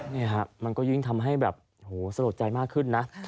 นี่ฮะมันก็ยิ่งทำให้แบบโหสลดใจมากขึ้นนะ